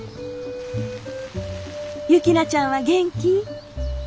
雪菜ちゃんは元気？